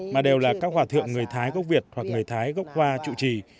mà đều là các hòa thượng người thái gốc việt hoặc người thái gốc hoa chủ trì